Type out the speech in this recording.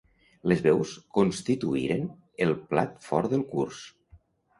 Les veus constituïren el plat fort del curs.